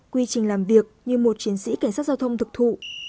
quy trình làm việc như một chiến sĩ cảnh sát giao thông thực thụ